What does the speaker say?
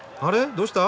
どうした？